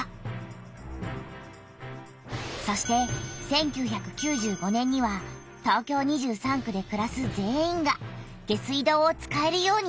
そして１９９５年には東京２３区でくらす全員が下水道を使えるようになった。